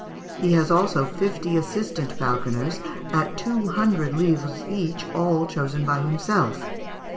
He has also fifty assistant falconers at two hundred livres each, all chosen by himself.